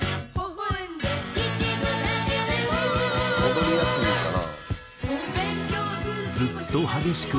踊りやすいんかな。